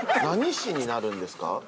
何死になるんですか？